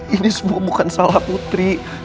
ini semua bukan salah putri